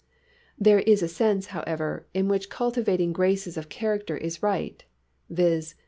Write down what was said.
There is a sense, however, in which cultivating graces of character is right: viz.